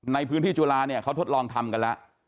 ในพื้นที่จุฬาเนี่ยเขาทดลองทำกันแล้ว